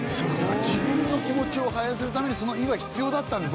自分の気持ちを反映するためにその「い」は必要だったんですね